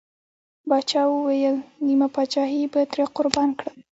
پاچا وويل: نيمه پاچاهي به ترې قربان کړم.